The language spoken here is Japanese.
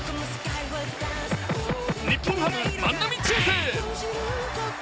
日本ハム・万波中正。